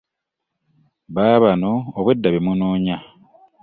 Baabano obwedda be munoonya.